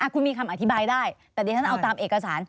คุณมีคำอธิบายได้แต่ดิฉันเอาตามเอกสาร